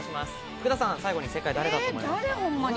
福田さん、正解、誰だと思いますか？